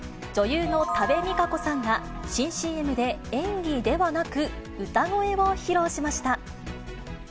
女優の多部未華子さんが、新ＣＭで演技ではなく、歌声を披露しま